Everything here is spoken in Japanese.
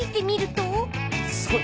すごい。